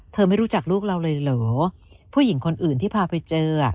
ไม่รู้จักลูกเราเลยเหรอผู้หญิงคนอื่นที่พาไปเจอ